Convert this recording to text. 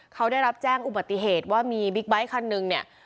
เขาได้รับแจ้งอุบัติเหตุว่ามีบิ๊กไบท์คันหนึ่งเนี่ย